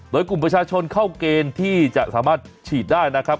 โดยกลุ่มประชาชนเข้าเกณฑ์ที่จะสามารถฉีดได้นะครับ